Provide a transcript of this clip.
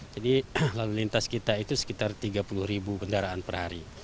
jadi lalu lintas kita itu sekitar tiga puluh ribu kendaraan per hari